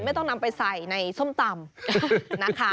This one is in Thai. ไม่ต้องนำไปใส่ในส้มตำนะคะ